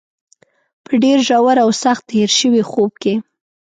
په ډېر ژور او سخت هېر شوي خوب کې.